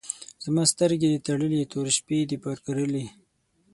زما سترګې دي تړلي، تورې شپې دي پر کرلي